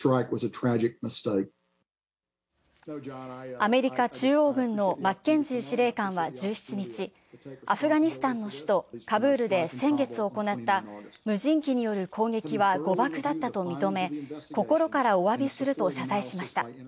アメリカ中央軍のマッケンジー司令官は１７日、アフガニスタンの首都カブールで先月行った無人機による攻撃は誤爆だったと認め、「心からおわびする」と謝罪しました。